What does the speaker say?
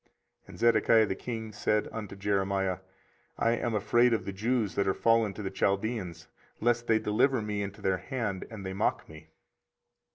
24:038:019 And Zedekiah the king said unto Jeremiah, I am afraid of the Jews that are fallen to the Chaldeans, lest they deliver me into their hand, and they mock me.